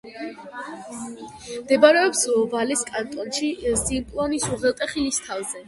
მდებარეობს ვალეს კანტონში, სიმპლონის უღელტეხილის თავზე.